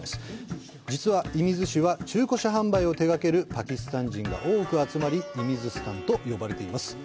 実は、射水市は、中古車販売を手がけるパキスタン人が多く集まり、「イミズスタン」と呼ばれています。